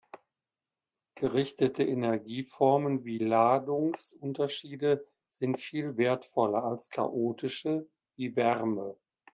Gerichtete Energieformen wie Ladungsunterschiede sind viel wertvoller als chaotische wie Wärme.